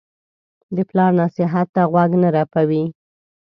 د پلار نصیحت ته غوږ نه رپوي.